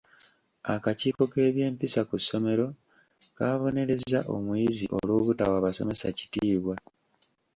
Akakiiko k'ebyempisa ku ssomero kaabonerezza omuyizi olw'obutawa basomesa kitiibwa.